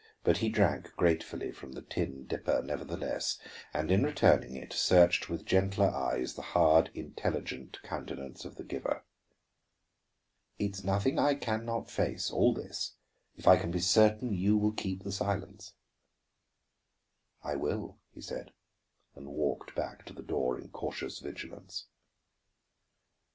But he drank gratefully from the tin dipper, nevertheless, and in returning it searched with gentler eyes the hard, intelligent countenance of the giver. "It is nothing I can not face, all this, if I can be certain you will keep silence." "I will," he said, and walked back to the door in cautious vigilance.